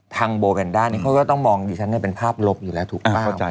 ทางโบแวนด้านี่เขาก็ต้องมองดิฉันเป็นภาพลบอยู่แล้วถูกป่ะ